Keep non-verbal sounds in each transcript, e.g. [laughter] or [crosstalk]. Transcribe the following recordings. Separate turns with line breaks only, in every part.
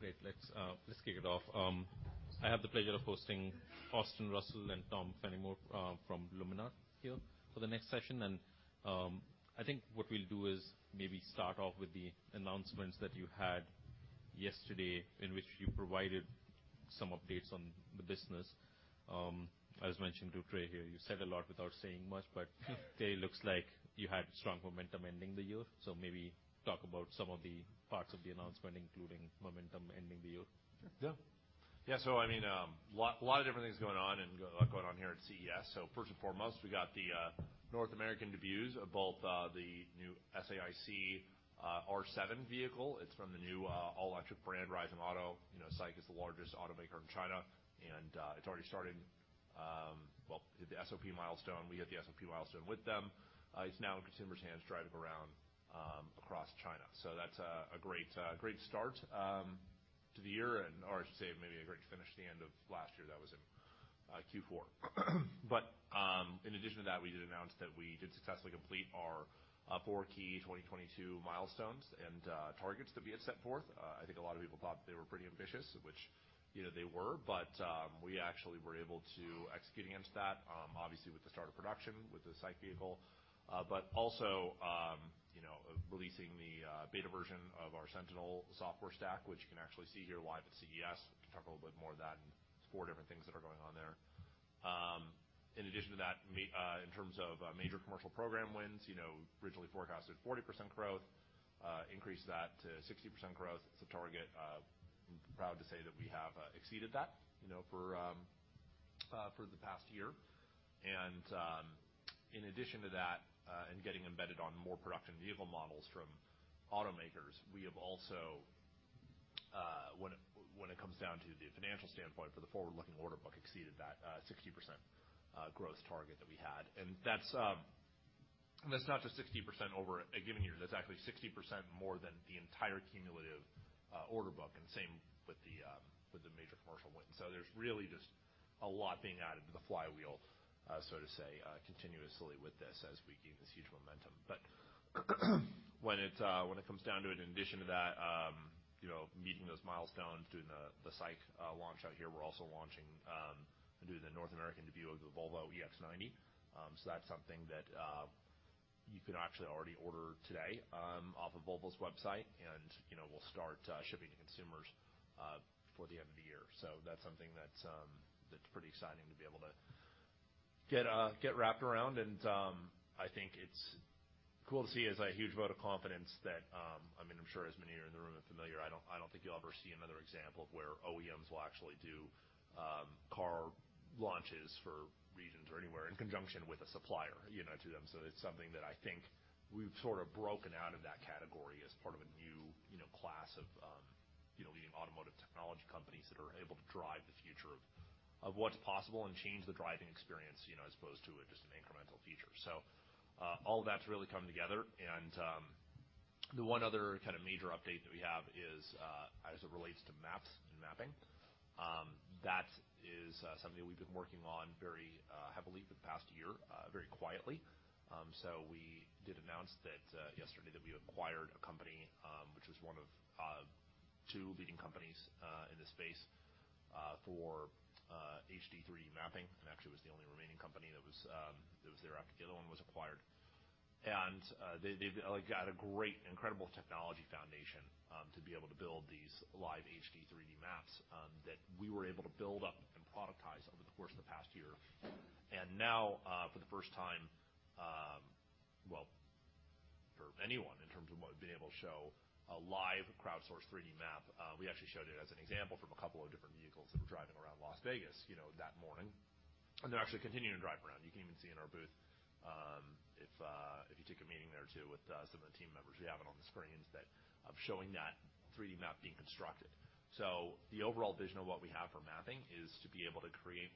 Great. Let's kick it off. I have the pleasure of hosting Austin Russell and Tom Fennimore from Luminar here for the next session. I think what we'll do is maybe start off with the announcements that you had yesterday, in which you provided some updates on the business. As mentioned to Trey here, you said a lot without saying much, but today looks like you had strong momentum ending the year. Maybe talk about some of the parts of the announcement, including momentum ending the year.
Yeah. Yeah. I mean, lot of different things going on and a lot going on here at CES. First and foremost, we got the North American debuts of both the new SAIC R7 vehicle. It's from the new all-electric brand, Rising Auto. You know, SAIC is the largest automaker in China, and it's already started, well, hit the SOP milestone. We hit the SOP milestone with them. It's now in consumers' hands, driving around across China. That's a great start to the year or I should say maybe a great finish to the end of last year. That was in Q4. In addition to that, we did announce that we did successfully complete our four key 2022 milestones and targets that we had set forth. Uh, I think a lot of people thought they were pretty ambitious, which, you know, they were, but, um, we actually were able to execute against that, um, obviously, with the start of production, with the SAIC vehicle. Uh, but also, um, you know, releasing the, uh, beta version of our Sentinel software stack, which you can actually see here live at CES. We can talk a little bit more of that and four different things that are going on there. Um, in addition to that, uh, in terms of, uh, major commercial program wins, you know, originally forecasted forty percent growth, uh, increased that to 60% growth. It's a target. Uh, I'm proud to say that we have, uh, exceeded that, you know, for, um, uh, for the past year. In addition to that, and getting embedded on more production vehicle models from automakers, we have also, when it comes down to the financial standpoint for the forward-looking order book, exceeded that 60% growth target that we had. That's not just 60% over a given year. That's actually 60% more than the entire cumulative order book, and same with the with the major commercial wins. There's really just a lot being added to the flywheel, so to say, continuously with this as we gain this huge momentum. When it comes down to it, in addition to that, you know, meeting those milestones, doing the SAIC launch out here, we're also launching, doing the North American debut of the Volvo EX90. That's something that you can actually already order today off of Volvo's website, and, you know, we'll start shipping to consumers before the end of the year. That's something that's pretty exciting to be able to get wrapped around. I think it's cool to see as a huge vote of confidence that, I mean, I'm sure as many are in the room are familiar. I don't think you'll ever see another example of where OEMs will actually do car launches for regions or anywhere in conjunction with a supplier, you know, to them. It's something that I think we've sort of broken out of that category as part of a new, you know, class of, you know, leading automotive technology companies that are able to drive the future of what's possible and change the driving experience, you know, as opposed to just an incremental feature. All of that's really coming together. The one other kind of major update that we have is as it relates to maps and mapping, that is something that we've been working on very heavily for the past year, very quietly. We did announce that yesterday that we acquired a company, which was one of two leading companies in this space for HD 3D mapping, actually was the only remaining company that was there after the other one was acquired. They've, like, got a great, incredible technology foundation to be able to build these live HD 3D maps that we were able to build up and productize over the course of the past year. Now, for the first time, well, for anyone in terms of what we've been able to show a live crowdsourced 3D map. We actually showed it as an example from two different vehicles that were driving around Las Vegas, you know, that morning. They're actually continuing to drive around. You can even see in our booth, if you take a meeting there too with some of the team members, we have it on the screens that of showing that 3D map being constructed. The overall vision of what we have for mapping is to be able to create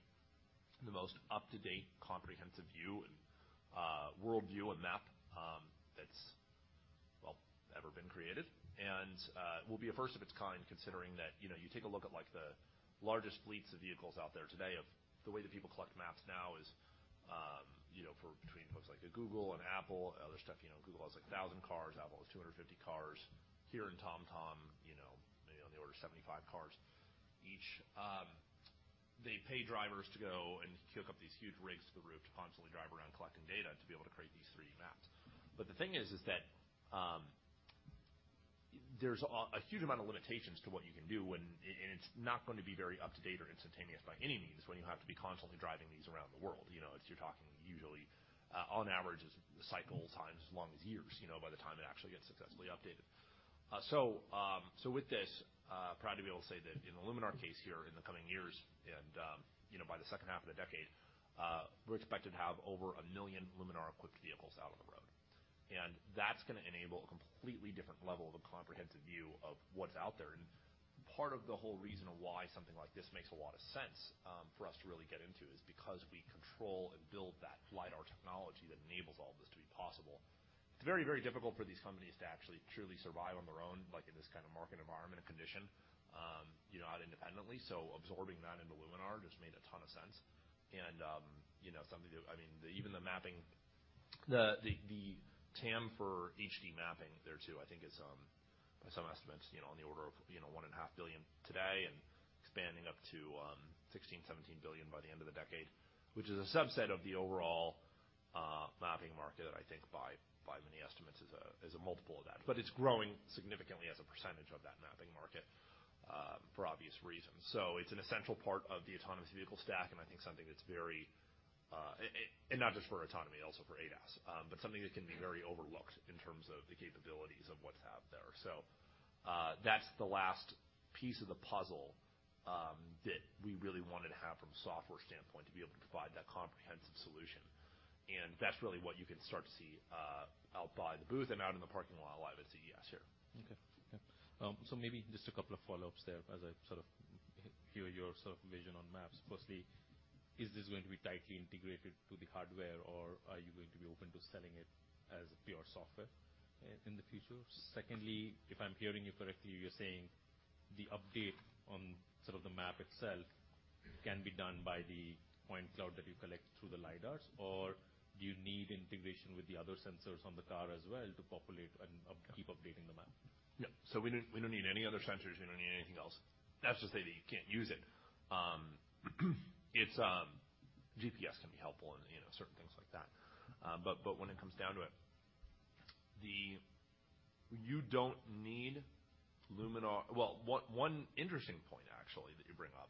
the most up-to-date, comprehensive view and world view and map, that's, well, ever been created. We'll be a first of its kind, considering that, you know, you take a look at, like, the largest fleets of vehicles out there today of the way that people collect maps now is, you know, for between folks like a Google and Apple and other stuff. You know, Google has, like, 1,000 cars. Apple has 250 cars. HERE and TomTom, you know, in the order of 75 cars each. They pay drivers to go and hook up these huge rigs to the roof to constantly drive around collecting data to be able to create these 3D maps. The thing is that there's a huge amount of limitations to what you can do when it's not going to be very up-to-date or instantaneous by any means when you have to be constantly driving these around the world. You know, it's, you're talking usually on average is the cycle time's as long as years, you know, by the time it actually gets successfully updated. With this, proud to be able to say that in the Luminar case here in the coming years and, you know, by the second half of the decade, we're expected to have over 1 million Luminar-equipped vehicles out on the road. That's going to enable a completely different level of a comprehensive view of what's out there. Part of the whole reason of why something like this makes a lot of sense for us to really get into is because we control and build that LiDAR technology that enables all of this to be possible. It's very difficult for these companies to actually truly survive on their own, like in this kind of market environment and condition. You know, not independently. Absorbing that into Luminar just made a ton of sense. You know, something that, I mean, the, even the mapping, the TAM for HD mapping there, too, I think is, by some estimates, you know, on the order of, you know, $1.5 billion today and expanding up to $16 billion-$17 billion by the end of the decade, which is a subset of the overall mapping market, I think, by many estimates is a, is a multiple of that. It's growing significantly as a percentage of that mapping market, for obvious reasons. It's an essential part of the autonomous vehicle stack, and I think something that's very, and not just for autonomy, also for ADAS. Something that can be very overlooked in terms of the capabilities of what's out there. That's the last piece of the puzzle, that we really wanted to have from a software standpoint to be able to provide that comprehensive solution. That's really what you can start to see, out by the booth and out in the parking lot live at CES here.
Okay. Yeah. Maybe just a couple of follow-ups there as I sort of hear your sort of vision on maps. Firstly, is this going to be tightly integrated to the hardware, or are you going to be open to selling it as a pure software in the future? Secondly, if I'm hearing you correctly, you're saying the update on sort of the map itself can be done by the point cloud that you collect through the LiDARs, or do you need integration with the other sensors on the car as well to populate and up-keep updating the map?
No. We don't need any other sensors. We don't need anything else. That's just data. You can't use it. GPS can be helpful and, you know, certain things like that. When it comes down to it, you don't need Luminar. Well, one interesting point actually that you bring up,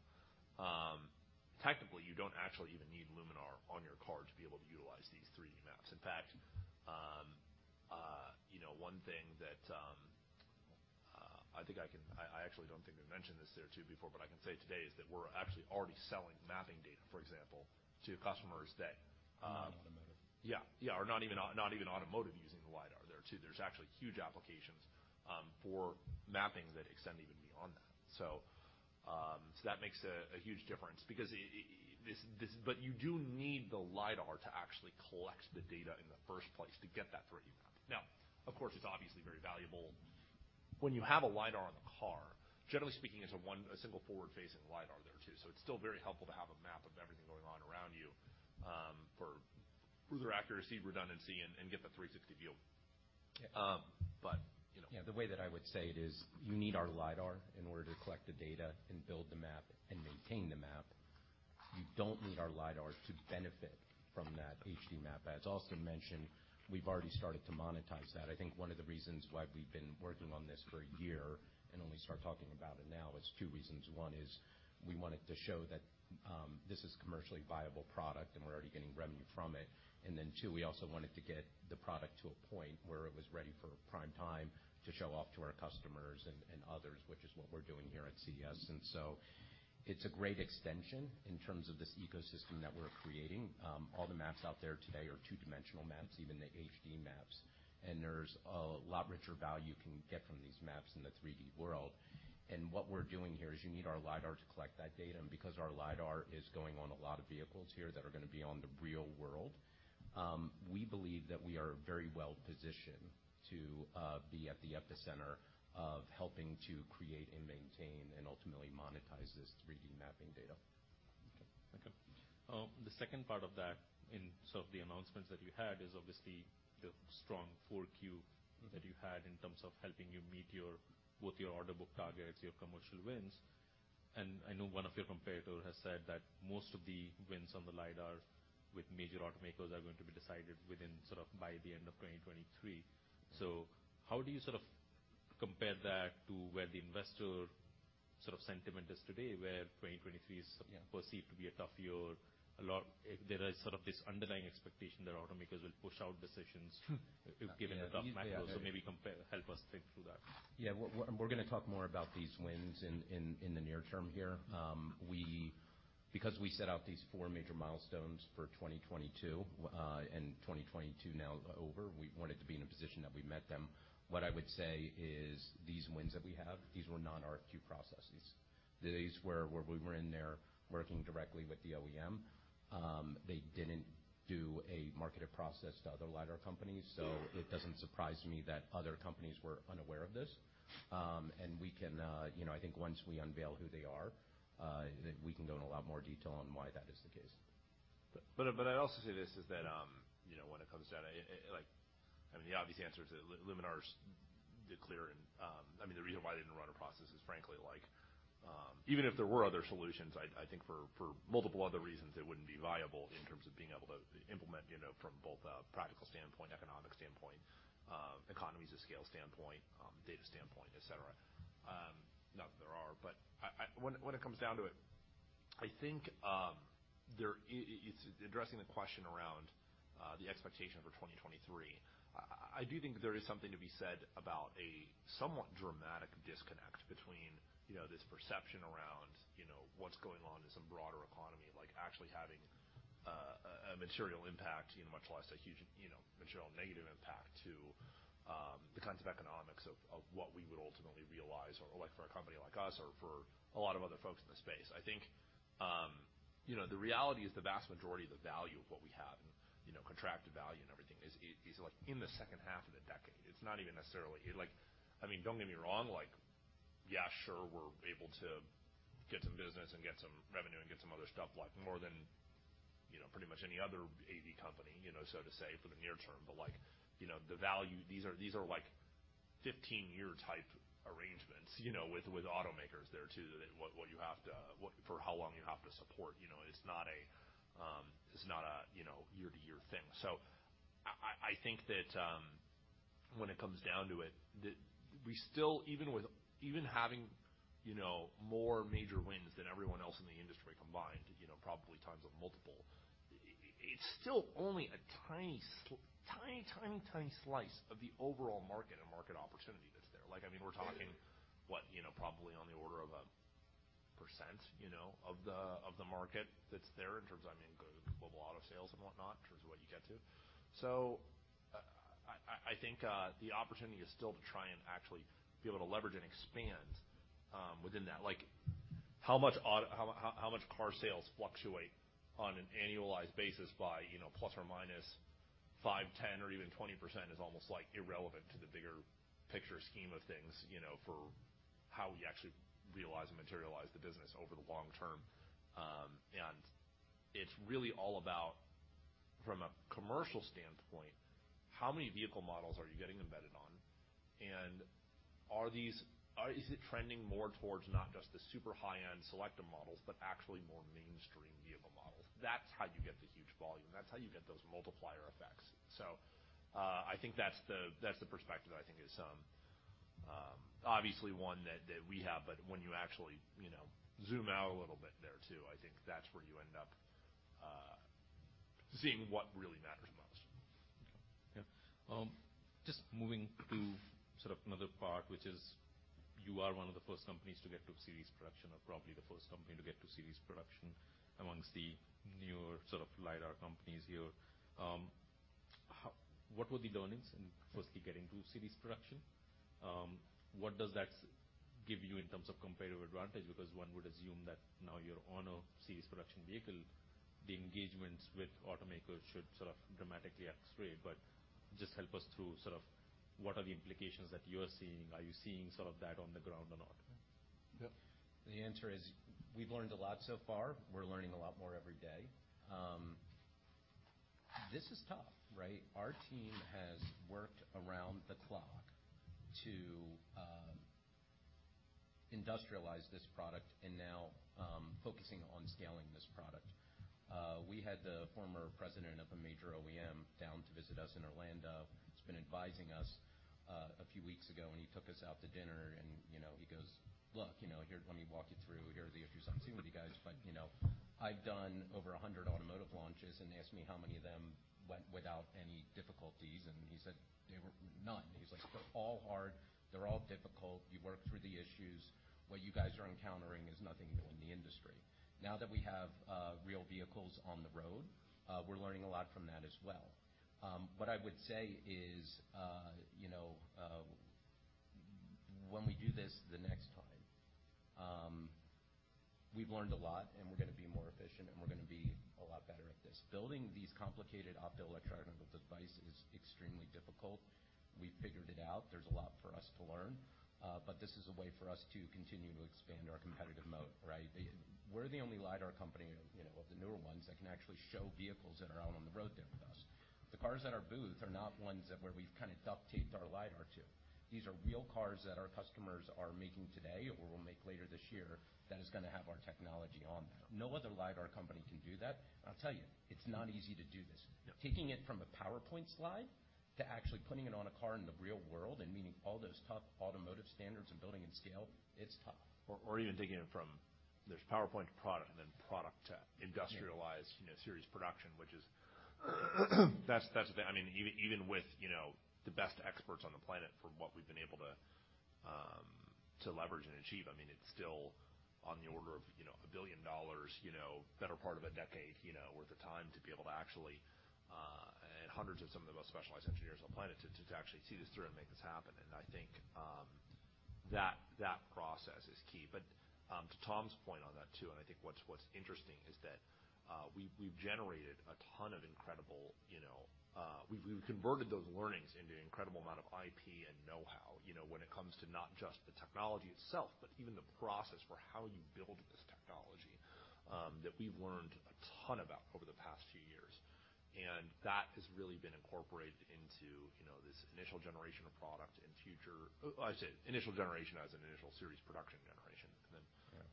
technically, you don't actually even need Luminar on your car to be able to utilize these 3D maps. In fact, you know, one thing that I actually don't think we've mentioned this there too before, but I can say today is that we're actually already selling mapping data, for example, to customers that.
Non-automotive.
Yeah. Yeah, or not even automotive using the LiDAR there too. There's actually huge applications for mapping that extend even beyond that. That makes a huge difference because it. This, but you do need the LiDAR to actually collect the data in the first place to get that 3D map. Of course, it's obviously very valuable. When you have a LiDAR on the car, generally speaking, it's a single forward-facing LiDAR there too. It's still very helpful to have a map of everything going on around you for further accuracy, redundancy, and get the 360 view.
Yeah.
You know.
Yeah, the way that I would say it is you need our LiDAR in order to collect the data and build the map and maintain the map. You don't need our LiDAR to benefit from that HD map. As Austin mentioned, we've already started to monetize that. I think 1 of the reasons why we've been working on this for a year and only start talking about it now is two reasons. One is we wanted to show that this is commercially viable product, and we're already getting revenue from it. Two, we also wanted to get the product to a point where it was ready for prime time to show off to our customers and others, which is what we're doing here at CES. It's a great extension in terms of this ecosystem that we're creating. All the maps out there today are two-dimensional maps, even the HD maps, and there's a lot richer value you can get from these maps in the 3D world. What we're doing here is you need our LiDAR to collect that data. Because our LiDAR is going on a lot of vehicles here that are gonna be on the real world, we believe that we are very well-positioned to be at the epicenter of helping to create and maintain and ultimately monetize this 3D mapping data.
Okay. Okay. The second part of that in some of the announcements that you had is obviously the strong 4Q that you had in terms of helping you meet your, both your order book targets, your commercial wins. I know one of your competitor has said that most of the wins on the LiDAR with major automakers are going to be decided within sort of by the end of 2023. How do you sort of compare that to where the investor sort of sentiment is today, where 2023 is perceived to be a tough year? There is sort of this underlying expectation that automakers will push out decisions given the tough macro. Help us think through that.
Yeah. We're gonna talk more about these wins in the near term here. because we set out these four major milestones for 2022, and 2022 now over, we wanted to be in a position that we met them. What I would say is these wins that we have, these were non-RFQ processes. These were where we were in there working directly with the OEM. They didn't do a marketed process to other LiDAR companies. It doesn't surprise me that other companies were unaware of this. We can, you know, I think once we unveil who they are, then we can go in a lot more detail on why that is the case.
I'd also say this is that, you know, when it comes down to it, like, I mean, the obvious answer is that Luminar's the clear and, I mean, the reason why they didn't run a process is frankly like, even if there were other solutions, I think for multiple other reasons, it wouldn't be viable in terms of being able to implement, you know, from both a practical standpoint, economic standpoint, economies of scale standpoint, data standpoint, et cetera. Not that there are. I, when it comes down to it, I think, there it's addressing the question around the expectation for 2023. I do think there is something to be said about a somewhat dramatic disconnect between, you know, this perception around, you know, what's going on in some broader economy, like actually having a material impact, you know, much less a huge, you know, material negative impact to the kinds of economics of what we would ultimately realize or like for a company like us or for a lot of other folks in the space. I think. You know, the reality is the vast majority of the value of what we have, you know, contracted value and everything is like in the second half of the decade. It's not even necessarily like- I mean, don't get me wrong, like, yeah, sure, we're able to get some business and get some revenue and get some other stuff like more than, you know, pretty much any other AV company, you know, so to say, for the near term. But like, you know, the value, these are, these are like 15-year type arrangements, you know, with automakers there too, that for how long you have to support, you know? It's not a, it's not a, you know, year-to-year thing. I think that, when it comes down to it, we still even with, even having, you know, more major wins than everyone else in the industry combined, you know, probably times a multiple, it's still only a tiny slice of the overall market and market opportunity that's there. Like, I mean, we're talking what, you know, probably on the order of 1%, you know, of the, of the market that's there in terms of, I mean, global auto sales and whatnot in terms of what you get to. I think the opportunity is still to try and actually be able to leverage and expand within that. Like, how much auto, how much car sales fluctuate on an annualized basis by, you know, ±5%, ±10%, or even ±20% is almost like irrelevant to the bigger picture scheme of things, you know, for how we actually realize and materialize the business over the long term. It's really all about, from a commercial standpoint, how many vehicle models are you getting embedded on? Is it trending more towards not just the super high-end selective models, but actually more mainstream vehicle models? That's how you get the huge volume. That's how you get those multiplier effects. I think that's the perspective I think is obviously one that we have, but when you actually, you know, zoom out a little bit there too, I think that's where you end up seeing what really matters most.
Yeah. Just moving to sort of another part, which is you are one of the first companies to get to series production or probably the first company to get to series production amongst the newer sort of LiDAR companies here. What were the learnings in firstly getting to series production? What does that give you in terms of competitive advantage? One would assume that now you're on a series production vehicle, the engagements with automakers should sort of dramatically accelerate. Just help us through sort of what are the implications that you are seeing. Are you seeing sort of that on the ground or not?
Yeah.
The answer is we've learned a lot so far. We're learning a lot more every day. This is tough, right? Our team has worked around the clock to industrialize this product and now focusing on scaling this product. We had the former president of a major OEM down to visit us in Orlando. He's been advising us a few weeks ago, and he took us out to dinner and, you know, he goes, "Look, you know, here, let me walk you through. Here are the issues I'm seeing with you guys. You know, I've done over 100 automotive launches, and ask me how many of them went without any difficulties." He said they were none. He's like, "They're all hard, they're all difficult. You work through the issues. What you guys are encountering is nothing new in the industry. We have real vehicles on the road, we're learning a lot from that as well. What I would say is, when we do this the next time, we've learned a lot, we're gonna be more efficient, we're gonna be a lot better at this. Building these complicated optoelectronic devices is extremely difficult. We figured it out. There's a lot for us to learn, this is a way for us to continue to expand our competitive moat, right? We're the only LiDAR company of the newer ones that can actually show vehicles that are out on the road there with us. The cars at our booth are not ones that where we've kind of duct-taped our LiDAR to. These are real cars that our customers are making today or will make later this year that is gonna have our technology on them. No other LiDAR company can do that. I'll tell you, it's not easy to do this.
No.
Taking it from a PowerPoint slide to actually putting it on a car in the real world and meeting all those tough automotive standards and building in scale, it's tough.
Even taking it from there's PowerPoint to product and then product to industrialized.
Yeah.
You know, series production, which is, that's the thing. I mean, even with, you know, the best experts on the planet from what we've been able to leverage and achieve, I mean, it's still on the order of, you know, $1 billion, you know, better part of a decade, you know, worth of time to be able to actually and hundreds of some of the most specialized engineers on the planet to actually see this through and make this happen, and I think, that process is key. To Tom's point on that too, I think what's interesting is that we've generated a ton of incredible, you know, we've converted those learnings into an incredible amount of IP and know-how, you know, when it comes to not just the technology itself, but even the process for how you build this technology that we've learned a ton about over the past few years. That has really been incorporated into, you know, this initial generation of product and future. I say initial generation as an initial series production generation.
Yeah.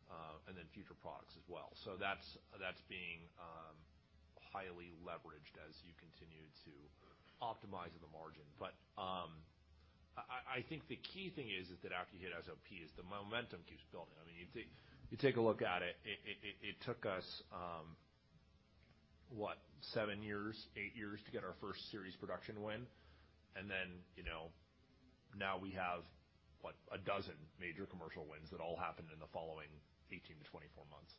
Then future products as well. That's being highly leveraged as you continue to optimize at the margin. I think the key thing is that after you hit SOP, the momentum keeps building. I mean, you take a look at it took us what, seven years, eight years to get our first series production win, and then, you know, now we have what, a dozen major commercial wins that all happened in the following 18-24 months.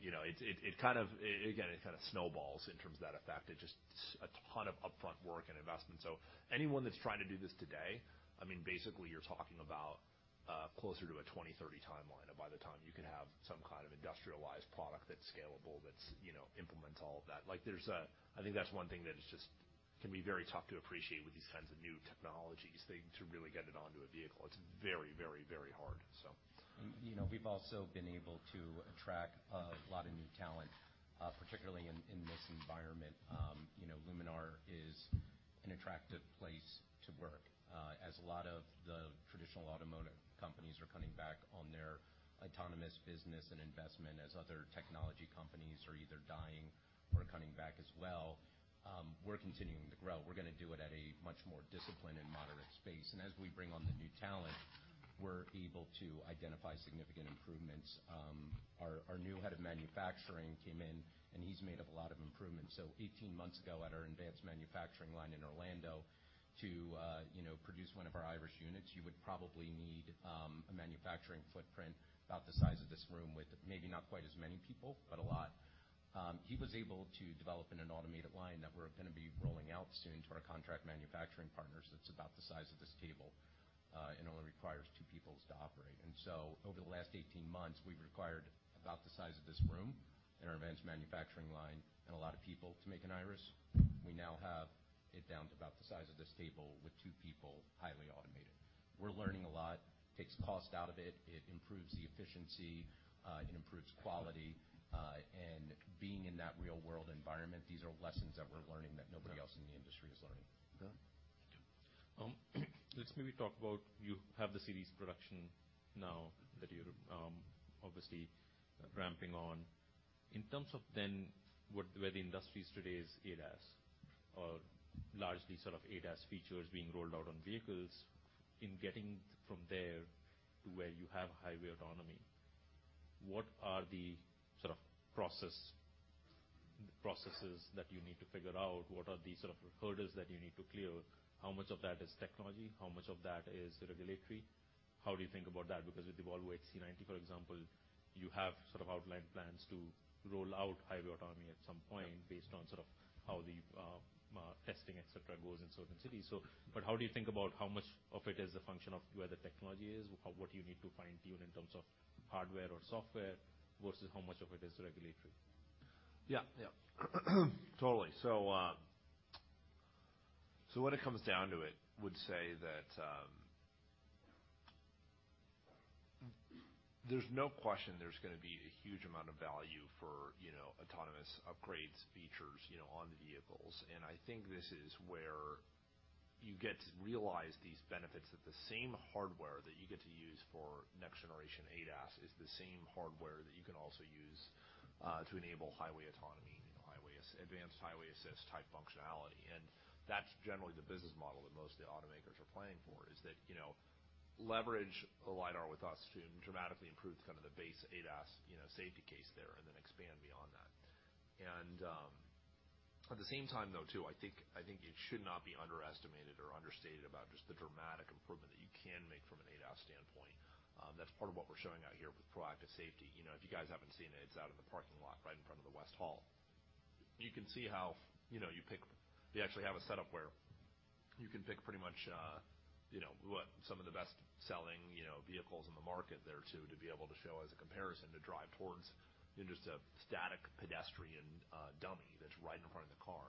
You know, it kind of, again, it kind of snowballs in terms of that effect. It's just a ton of upfront work and investment. Anyone that's trying to do this today, I mean, basically you're talking about closer to a 20, 30 timeline by the time you can have some kind of industrialized product that's scalable, that's, you know, implements all of that. Like, I think that's one thing that is just very tough to appreciate with these kinds of new technologies. To really get it onto a vehicle, it's very hard, so.
You know, we've also been able to attract a lot of new talent, particularly in this environment. You know, Luminar is an attractive place to work. As a lot of the traditional automotive companies are cutting back on their autonomous business and investment as other technology companies are either dying or cutting back as well, we're continuing to grow. We're gonna do it at a much more disciplined and moderate space. As we bring on the new talent, we're able to identify significant improvements. Our new head of manufacturing came in, and he's made up a lot of improvements. 18 months ago at our advanced manufacturing line in Orlando to, you know, produce one of our Iris units, you would probably need a manufacturing footprint about the size of this room with maybe not quite as many people, but a lot. He was able to develop an automated line that we're gonna be rolling out soon to our contract manufacturing partners that's about the size of this table, and only requires two people to operate. Over the last 18 months, we've required about the size of this room in our advanced manufacturing line and a lot of people to make an Iris. We now have it down to about the size of this table with two people, highly automated. We're learning a lot. Takes cost out of it. It improves the efficiency. It improves quality. Being in that real world environment, these are lessons that we're learning that nobody else in the industry is learning.
Let's maybe talk about you have the series production now that you're obviously ramping on. In terms of where the industry is today is ADAS or largely sort of ADAS features being rolled out on vehicles. In getting from there to where you have highway autonomy, what are the sort of processes that you need to figure out? What are the sort of hurdles that you need to clear? How much of that is technology? How much of that is regulatory? How do you think about that? With the Volvo EX90, for example, you have sort of outlined plans to roll out highway autonomy at some point based on sort of how the testing, et cetera, goes in certain cities. How do you think about how much of it is a function of where the technology is or what you need to fine-tune in terms of hardware or software versus how much of it is regulatory?
Totally. When it comes down to it, would say that there's no question there's gonna be a huge amount of value for, you know, autonomous upgrades, features, you know, on the vehicles. I think this is where you get to realize these benefits that the same hardware that you get to use for next generation ADAS is the same hardware that you can also use to enable highway autonomy, you know, advanced highway assist type functionality. That's generally the business model that most of the automakers are playing for, is that, you know, leverage a LiDAR with us to dramatically improve kind of the base ADAS, you know, safety case there and then expand beyond that. At the same time, though, too, I think it should not be underestimated or understated about just the dramatic improvement that you can make from an ADAS standpoint. That's part of what we're showing out here with Proactive Safety. You know, if you guys haven't seen it's out in the parking lot right in front of the West Hall. You can see how, you know, they actually have a setup where you can pick pretty much, you know, what some of the best-selling, you know, vehicles in the market there, too, to be able to show as a comparison to drive towards just a static pedestrian dummy that's right in front of the car.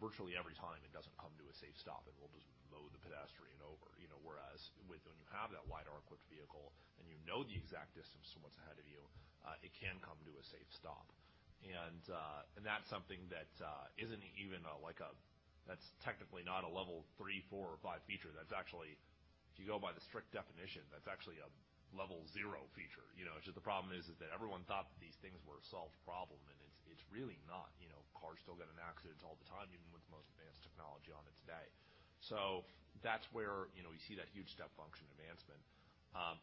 Virtually every time it doesn't come to a safe stop, it will just mow the pedestrian over. You know? Whereas with when you have that LiDAR-equipped vehicle and you know the exact distance of what's ahead of you, it can come to a safe stop. That's something that isn't even technically not a Level 3, 4, or 5 feature. That's actually, if you go by the strict definition, that's actually a Level zero feature. You know, it's just the problem is that everyone thought these things were a solved problem, and it's really not. You know, cars still get in accidents all the time, even with the most advanced technology on it today. That's where, you know, we see that huge step function advancement.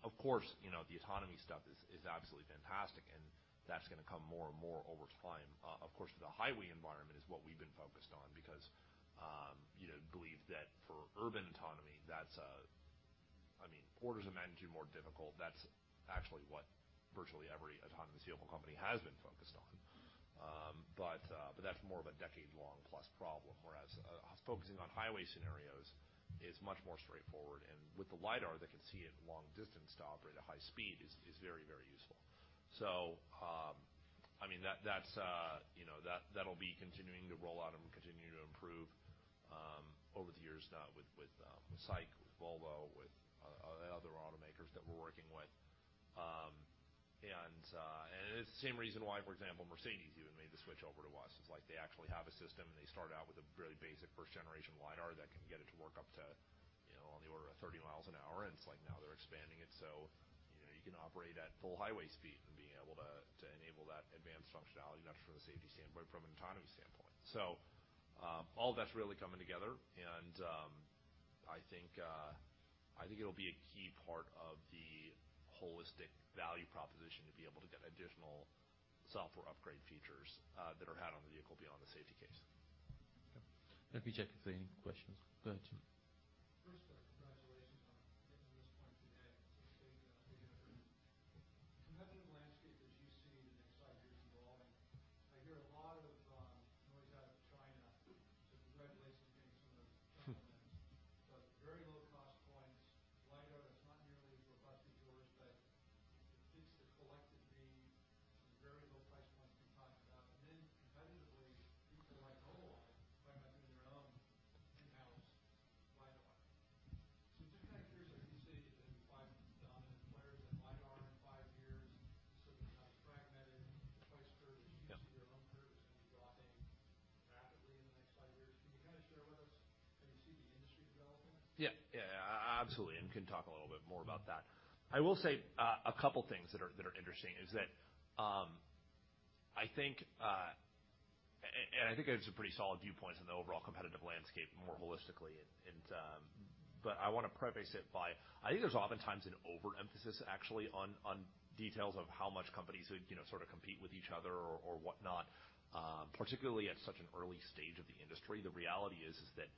Of course, you know, the autonomy stuff is absolutely fantastic, and that's gonna come more and more over time. Of course, the highway environment is what we've been focused on because, you know, believe that for urban autonomy, that's, I mean, orders of magnitude more difficult. That's actually what virtually every autonomous vehicle company has been focused on. But that's more of a decade-long plus problem, whereas focusing on highway scenarios is much more straightforward. With the LiDAR that can see at long distance to operate at high speed is very, very useful. I mean, that'll be continuing to roll out and continue to improve over the years with SAIC, with Volvo, with other automakers that we're working with. It's the same reason why, for example, Mercedes even made the switch over to us. It's like they actually have a system and they start out with a really basic first-generation LiDAR that can get it to work up to, you know, on the order of 30 mi an hour, and it's like now they're expanding it so, you know, you can operate at full highway speed and being able to enable that advanced functionality, not from a safety standpoint, from an autonomy standpoint. All that's really coming together and I think it'll be a key part of the holistic value proposition to be able to get additional software upgrade features that are had on the vehicle beyond the safety case.
Let me check if there are any questions. Go ahead, Jim.
[audio distortion] landscape that you see in the next five years evolving, I hear a lot of noise out of China.
Yeah, absolutely, can talk a little bit more about that. I will say, a couple things that are interesting is that, I think, and I think it's a pretty solid viewpoint on the overall competitive landscape more holistically and, I wanna preface it by I think there's oftentimes an overemphasis actually on details of how much companies would, you know, sort of compete with each other or whatnot, particularly at such an early stage of the industry. The reality is that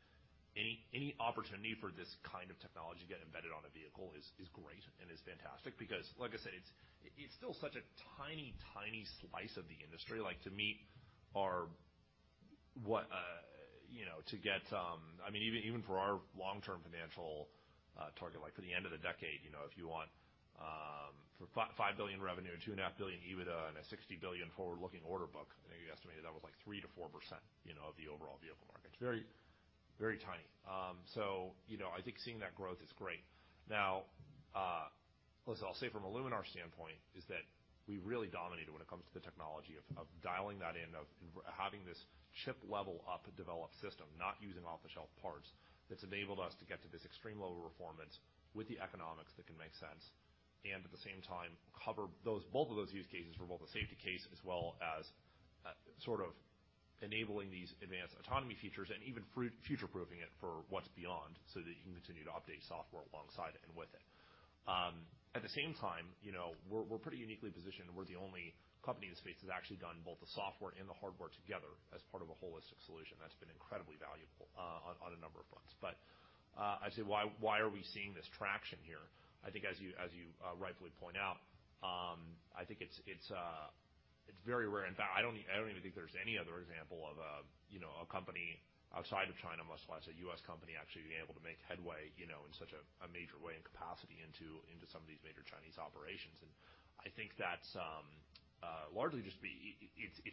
any opportunity for this kind of technology to get embedded on a vehicle is great and is fantastic because, like I said, it's still such a tiny slice of the industry. Like, to meet our, you know, to get- I mean, even for our long-term financial, target, like for the end of the decade, you know, if you want, for $5 billion revenue and $2.5 billion EBITDA and a $60 billion forward-looking order book, I think you estimated that was like 3%-4%, you know, of the overall vehicle market. It's very, very tiny. You know, I think seeing that growth is great. Now, listen, I'll say from a Luminar standpoint is that we really dominated when it comes to the technology of dialing that in, of having this chip level up developed system, not using off-the-shelf parts. That's enabled us to get to this extreme level of performance with the economics that can make sense, at the same time cover both of those use cases for both the safety case as well as sort of enabling these advanced autonomy features and even future-proofing it for what's beyond, so that you can continue to update software alongside it and with it. At the same time, you know, we're pretty uniquely positioned. We're the only company in the space that's actually done both the software and the hardware together as part of a holistic solution. That's been incredibly valuable on a number of fronts. I'd say why are we seeing this traction here? I think as you rightfully point out, I think it's very rare. In fact, I don't even think there's any other example of, you know, a company outside of China, much less a U.S. company, actually being able to make headway, you know, in such a major way and capacity into some of these major Chinese operations. I think that's largely just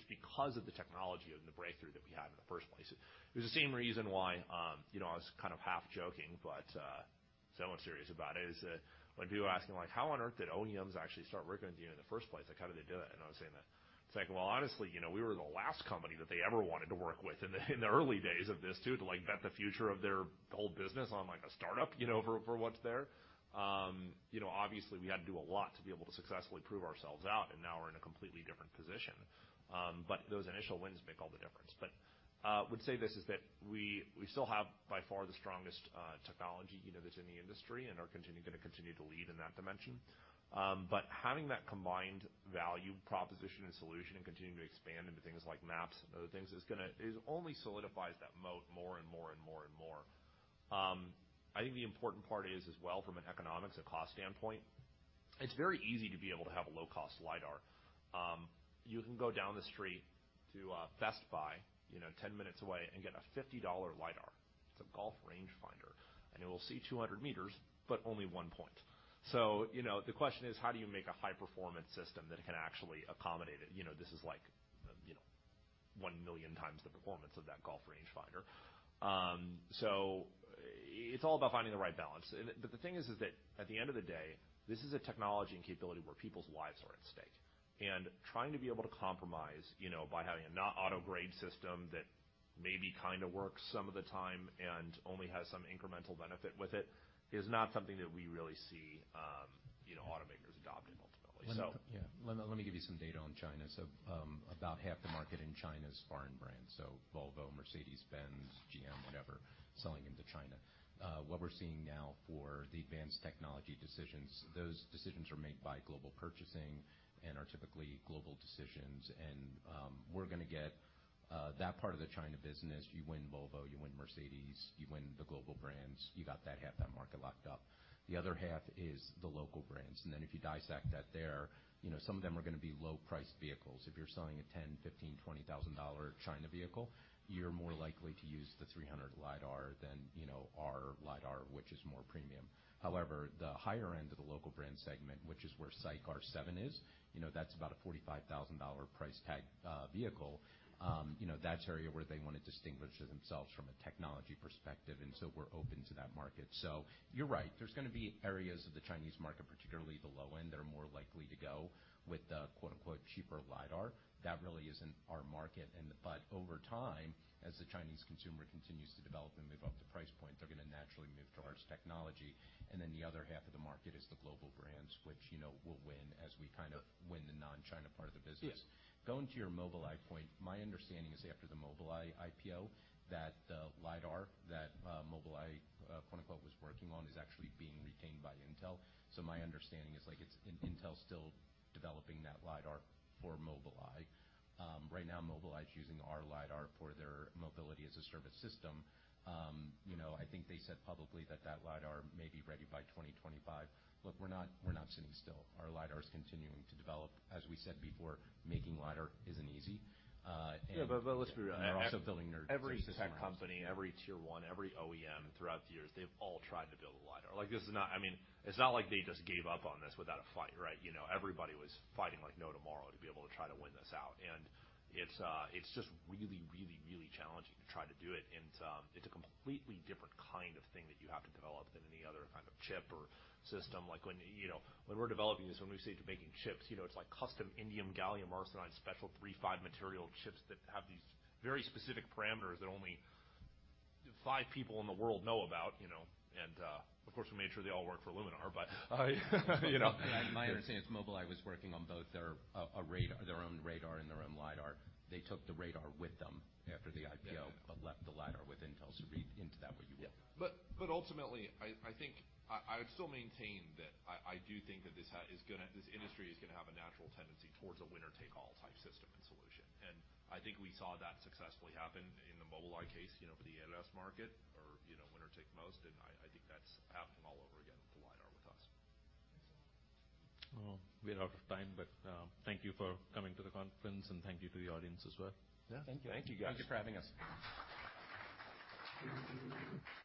because of the technology and the breakthrough that we had in the first place. It was the same reason why, you know, I was kind of half joking, but somewhat serious about it, is that when people are asking like, "How on earth did OEMs actually start working with you in the first place? Like, how did they do it? I was saying that it's like, well, honestly, you know, we were the last company that they ever wanted to work with in the early days of this too, to like bet the future of their whole business on like a startup, you know, for what's there. You know, obviously, we had to do a lot to be able to successfully prove ourselves out, and now we're in a completely different position. Those initial wins make all the difference. I would say this is that we still have by far the strongest technology, you know, that's in the industry and are gonna continue to lead in that dimension. Having that combined value proposition and solution and continuing to expand into things like maps and other things is gonna, it only solidifies that moat more and more and more and more. I think the important part is as well from an economics and cost standpoint, it's very easy to be able to have a low-cost LiDAR. You can go down the street to Best Buy, you know, 10 minutes away and get a $50 LiDAR. It's a golf range finder, and it will see 200 m, but only one point. You know, the question is how do you make a high-performance system that can actually accommodate it? You know, this is like, you know, 1 million times the performance of that golf range finder. It's all about finding the right balance. The thing is that at the end of the day, this is a technology and capability where people's lives are at stake. Trying to be able to compromise, you know, by having a not auto-grade system that maybe kinda works some of the time and only has some incremental benefit with it, is not something that we really see, you know, automakers adopting ultimately.
Let me, yeah. Let me give you some data on China. About half the market in China is foreign brands, so Volvo, Mercedes-Benz, GM, whatever, selling into China. What we're seeing now for the advanced technology decisions, those decisions are made by global purchasing and are typically global decisions. We're gonna get that part of the China business. You win Volvo, you win Mercedes, you win the global brands, you got that half that market locked up. The other half is the local brands. If you dissect that there, you know, some of them are gonna be low-priced vehicles. If you're selling a $10,000, $15,000, $20,000 China vehicle, you're more likely to use the 300 LiDAR than, you know, our LiDAR, which is more premium. However, the higher end of the local brand segment, which is where SAIC R7 is, you know, that's about a $45,000 price tag, vehicle. You know, that's the area where they wanna distinguish themselves from a technology perspective. We're open to that market. You're right. There's gonna be areas of the Chinese market, particularly the low end, that are more likely to go with the quote-unquote "cheaper" LiDAR. That really isn't our market and, but over time, as the Chinese consumer continues to develop and move up the price point, they're gonna naturally move to our technology. The other half of the market is the global brands, which, you know, we'll win as we kind of win the non-China part of the business.
Yeah.
Going to your Mobileye point, my understanding is after the Mobileye IPO, that the LiDAR that Mobileye quote-unquote, "was working on" is actually being retained by Intel. My understanding is like Intel's still developing that LiDAR for Mobileye. Right now Mobileye's using our LiDAR for their Mobility-as-a-Service system. You know, I think they said publicly that that LiDAR may be ready by 2025. Look, we're not sitting still. Our LiDAR's continuing to develop. As we said before, making LiDAR isn't easy.
Yeah, let's be real.
They're also building their systems around us.
Every tech company, every tier one, every OEM throughout the years, they've all tried to build a LiDAR. Like, I mean, it's not like they just gave up on this without a fight, right? You know, everybody was fighting like no tomorrow to be able to try to win this out. It's just really, really, really challenging to try to do it. It's a completely different kind of thing that you have to develop than any other kind of chip or system. Like when, you know, when we're developing this, when we say making chips, you know, it's like custom indium gallium arsenide special III-V material chips that have these very specific parameters that only five people in the world know about, you know. Of course, we made sure they all work for Luminar. You know.
My understanding is Mobileye was working on both their radar, their own radar and their own LiDAR. They took the radar with them after the IPO, but left the LiDAR with Intel. Read into that what you will.
Yeah. Ultimately, I think I would still maintain that I do think that this is gonna, this industry is gonna have a natural tendency towards a winner-take-all type system and solution. I think we saw that successfully happen in the Mobileye case, you know, for the ADAS market or, you know, winner take most. I think that's happening all over again with the LiDAR with us.
Well, we're out of time, but, thank you for coming to the conference, and thank you to the audience as well.
Yeah. Thank you, guys. Thank you for having us.